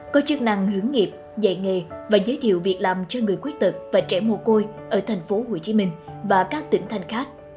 có chức năng hướng nghiệp dạy nghề và giới thiệu việc làm cho người khuyết tật và trẻ mồ côi ở thành phố hồ chí minh và các tỉnh thành khác